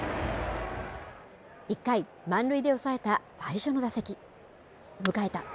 １回、満塁で迎えた最初の打席。